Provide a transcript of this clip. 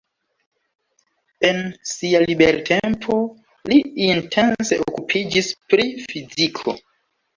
En sia libertempo, li intense okupiĝis pri fiziko.